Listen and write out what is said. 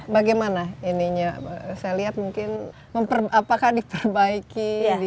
bagaimana ininya saya lihat mungkin apakah diperbaiki